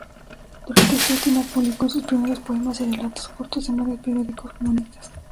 Durante este último, publicó sus primeros poemas y relatos cortos en varios periódicos comunistas.